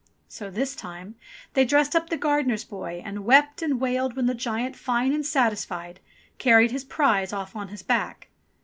So this time they dressed up the gardener's boy, and wept and wailed when the giant, fine and satisfied, carried his prize off on his back.